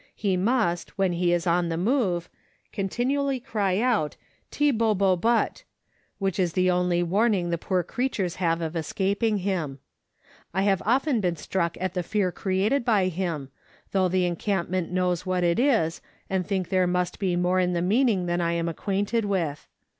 He must, when he is on the move, continually cry out " Tib bo bo but," which is the only warning the poor creatures 100 Letters from Victorian Pioneers. have of escaping him. I have been often struck at the fear created by him, though the encampment knows what it is, and think there must be more in the meaning than I am acquainted with.